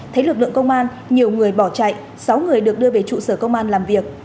thấy lực lượng công an nhiều người bỏ chạy sáu người được đưa về trụ sở công an làm việc